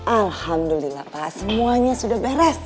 alhamdulillah pak semuanya sudah beres